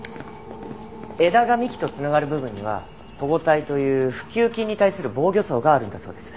枝が幹と繋がる部分には保護帯という腐朽菌に対する防御層があるんだそうです。